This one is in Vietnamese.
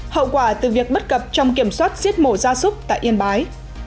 hậu quả từ việc bất cập trong kiểm soát giết mổ ra súc tại yên bái